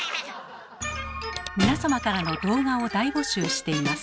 皆様からの動画を大募集しています。